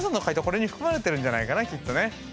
これに含まれてるんじゃないかなきっとね。